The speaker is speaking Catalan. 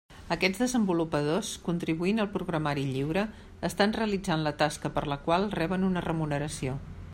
Aquests desenvolupadors, contribuint al programari lliure, estan realitzant la tasca per la qual reben una remuneració.